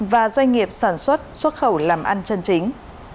và doanh nghiệp sản xuất xuất khẩu làm ăn chân chính